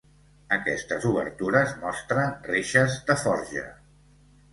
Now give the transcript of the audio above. Aquestes obertures mostren reixes de forja.